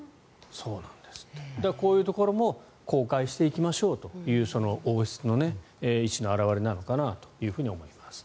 こういうところも公開していきましょうという王室の意思の表れなのかなと思います。